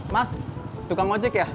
mas tukang ngojek ya